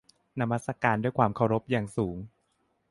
นมัสการด้วยความเคารพอย่างสูง